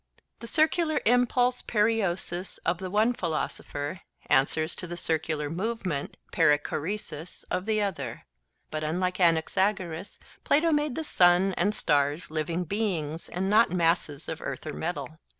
The circular impulse (Greek) of the one philosopher answers to the circular movement (Greek) of the other. But unlike Anaxagoras, Plato made the sun and stars living beings and not masses of earth or metal.